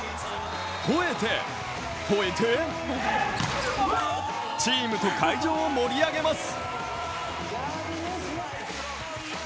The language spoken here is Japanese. ほえて、ほえてチームと会場を盛り上げます。